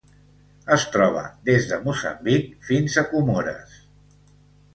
Es troba des de Moçambic fins a Comores.